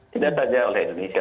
tidak saja oleh indonesia